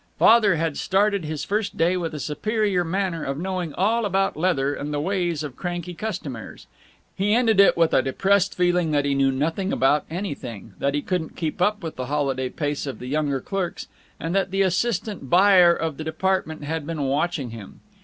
Father had started his first day with a superior manner of knowing all about leather and the ways of cranky customers. He ended it with a depressed feeling that he knew nothing about anything, that he couldn't keep up the holiday pace of the younger clerks and that the assistant buyer of the department had been watching him.